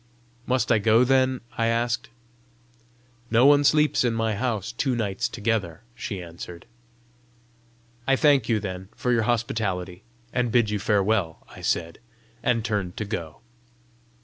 "Must I go, then?" I asked. "No one sleeps in my house two nights together!" she answered. "I thank you, then, for your hospitality, and bid you farewell!" I said, and turned to go.